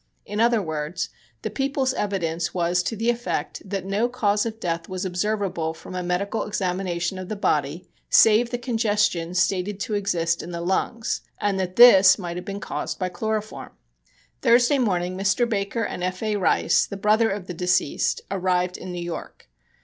In other words, the People's evidence was to the effect that no cause of death was observable from a medical examination of the body save the congestion stated to exist in the lungs, and that this might have been caused by chloroform. Thursday morning Mr. Baker and F. A. Rice, the brother of the deceased, arrived in New York.